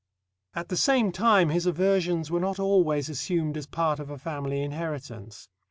At the same time, his aversions were not always assumed as part of a family inheritance.